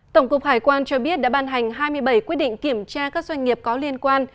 tổng cục hải quan cho biết đã ban hành hai mươi bảy quyết định kiểm tra các doanh nghiệp có liên quan